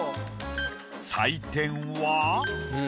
採点は。